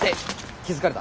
気付かれた。